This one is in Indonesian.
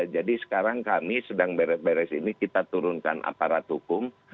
jadi sekarang kami sedang beres beres ini kita turunkan aparat hukum